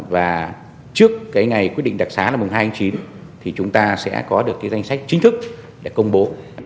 và trước ngày quyết định đặc xá năm hai nghìn chín thì chúng ta sẽ có được danh sách chính thức để công bố